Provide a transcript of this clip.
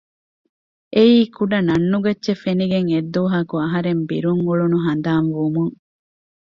އެއީ ކުޑަ ނަން ނުގައްޗެއް ފެނިގެން އެއްދުވަހަކު އަހަރެން ބިރުން އުޅުނު ހަނދާން ވުމުން